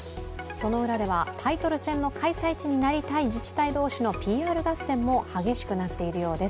その裏ではタイトル戦の開催地になりたい自治体同士のＰＲ合戦も激しくなっているようです。